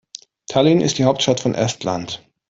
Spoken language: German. Tallinn ist die Hauptstadt von Estland.